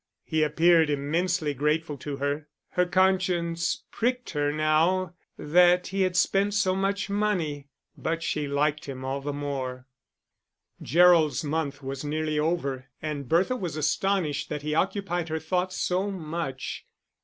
He appeared immensely grateful to her. Her conscience pricked her now that he had spent so much money; but she liked him all the more. Gerald's month was nearly over, and Bertha was astonished that he occupied her thoughts so much.